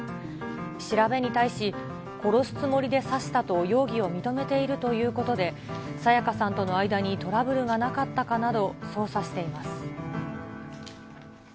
調べに対し、殺すつもりで刺したと容疑を認めているということで、彩加さんとの間にトラブルがなかったかなど捜査しています。